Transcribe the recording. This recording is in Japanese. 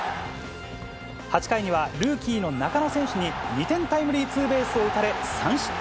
８回にはルーキーの中野選手に２点タイムリーツーベースを打たれ、３失点。